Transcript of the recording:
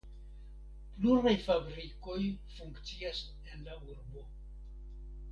Pluraj fabrikoj funkcias en la urbo.